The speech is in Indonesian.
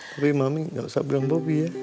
tapi mami nggak usah bilang bobi ya